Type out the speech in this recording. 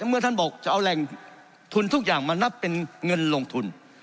เมื่อท่านบอกจะเอาแหล่งทุนทุกอย่างมานับเป็นเงินลงทุน